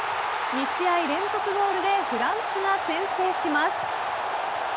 ２試合連続ゴールでフランスが先制します。